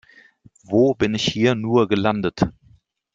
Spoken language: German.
Wo bin ich hier nur gelandet?